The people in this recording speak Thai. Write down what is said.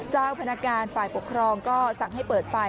เจ้าพนักงานฝ่ายปกครองก็สั่งให้เปิดไฟ